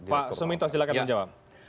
pak suminto silahkan menjawab